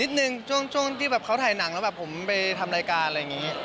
หนึ่งช่วงที่แบบเขาถ่ายหนังแล้วแบบผมไปทำรายการอะไรอย่างนี้